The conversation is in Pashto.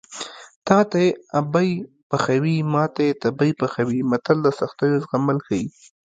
تاته یې ابۍ پخوي ماته یې تبۍ پخوي متل د سختیو زغمل ښيي